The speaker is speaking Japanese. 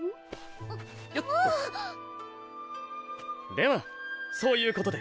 ではそういうことで。